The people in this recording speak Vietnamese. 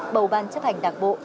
bầu ban chấp hành đảng bộ